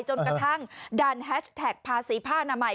จนกระทั่งดันแฮชแท็กภาษีผ้าอนามัย